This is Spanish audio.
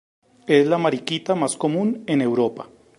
Es la mariquita más común en Europa.